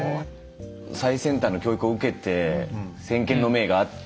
最先端の教育を受けて先見の明があって。